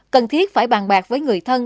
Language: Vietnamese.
cần thiết phải bàn bạc với người thân